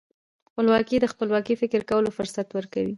خپلواکي د خپلواک فکر کولو فرصت ورکوي.